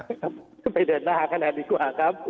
ก็ไปเดินหน้าหาคะแนนดีกว่าครับ